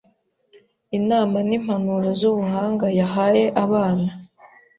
Inama n’impanuro z’ubuhanga yahaye abana